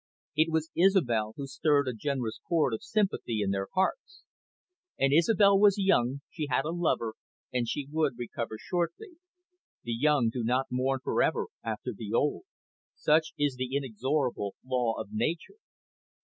It was Isobel who stirred a generous chord of sympathy in their hearts. And Isobel was young, she had a lover, and she would recover shortly. The young do not mourn for ever after the old. Such is the inexorable law of nature.